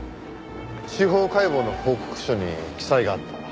司法解剖の報告書に記載があった。